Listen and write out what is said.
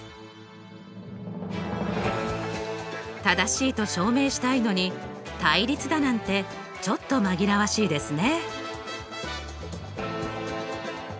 正しいと証明したいのに対立だなんてちょっと紛らわしいですね。